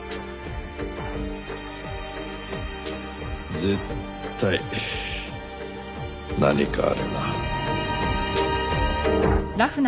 絶対何かあるな。